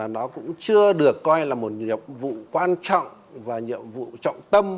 nó cũng chưa được coi là một nhiệm vụ quan trọng và nhiệm vụ trọng tâm